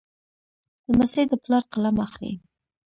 لمسی د پلار قلم اخلي.